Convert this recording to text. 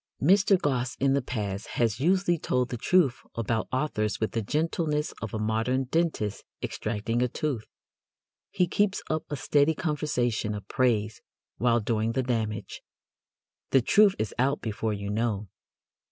Mr. Gosse in the past has usually told the truth about authors with the gentleness of a modern dentist extracting a tooth. He keeps up a steady conversation of praise while doing the damage. The truth is out before you know.